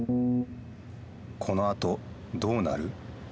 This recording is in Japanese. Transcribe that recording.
このあとどうなる？